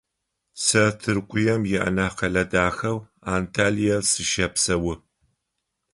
Сэ Тыркуем ианахь къэлэ дахэу Анталие сыщэпсэу.